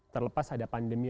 terlepas ada pandemi